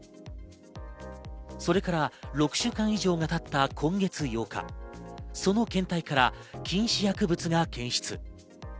それから６週間以上が経った今月８日、その検体から禁止薬物が検出。